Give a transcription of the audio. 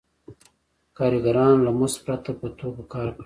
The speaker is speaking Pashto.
کارګرانو له مزد پرته په توکو کار کړی دی